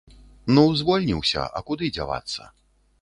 Ну звольніўся, а куды дзявацца.